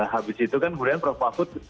habis itu kan kemudian prof mahfud